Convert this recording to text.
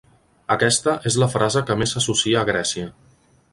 Aquesta és la frase que més s'associa a Grècia.